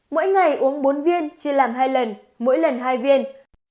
mỗi ngày uống bốn viên chia làm hai lần mỗi lần hai viên